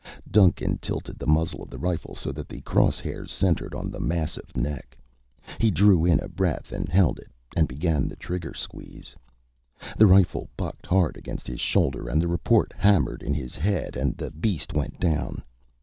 Duncan tilted the muzzle of the rifle so that the cross hairs centered on the massive neck. He drew in a breath and held it and began the trigger squeeze. The rifle bucked hard against his shoulder and the report hammered in his head and the beast went down.